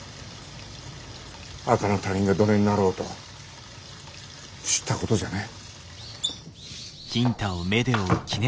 赤の他人がどねんなろうと知ったことじゃねえ。